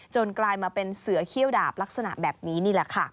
กลายมาเป็นเสือเขี้ยวดาบลักษณะแบบนี้นี่แหละค่ะ